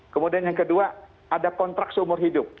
kemudian yang kedua ada kontrak seumur hidup